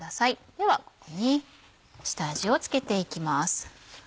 ではここに下味を付けていきます。